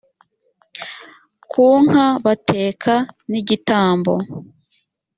ku nka bateka n igitambo